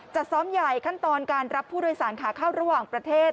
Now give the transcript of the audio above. ซ้อมใหญ่ขั้นตอนการรับผู้โดยสารขาเข้าระหว่างประเทศ